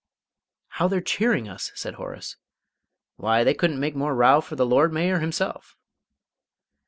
"How they're cheering us!" said Horace. "Why, they couldn't make more row for the Lord Mayor himself."